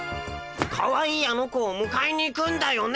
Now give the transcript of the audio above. かわいいあの子をむかえに行くんだよね。